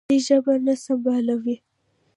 علي ژبه نه سنبالوي.